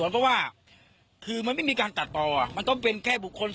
ไม่มีล้มไม่มีล้มไม่เอาจำนวดจับ